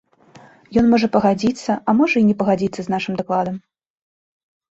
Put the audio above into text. Ён можа пагадзіцца, а можа і не пагадзіцца з нашым дакладам.